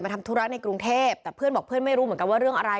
ทำธุระในกรุงเทพแต่เพื่อนบอกเพื่อนไม่รู้เหมือนกันว่าเรื่องอะไร